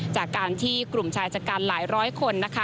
จากการที่กลุ่มชายจัดการหลายร้อยคนนะคะ